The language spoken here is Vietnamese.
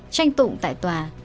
tranh tụng tại tòa